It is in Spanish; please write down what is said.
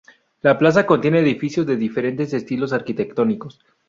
La plaza contiene edificios de diferentes estilos arquitectónicos.